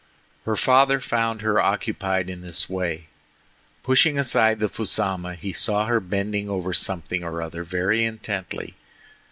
Her father found her occupied in this way. Pushing aside the fusama, he saw her bending over something or other very intently.